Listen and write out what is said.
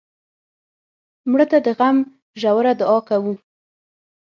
مړه ته د غم ژوره دعا کوو